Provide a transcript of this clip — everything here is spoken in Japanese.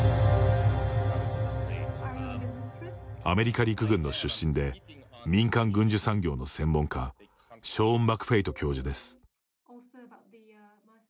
アメリカ陸軍の出身で民間軍需産業の専門家ショーン・マクフェイト教授です。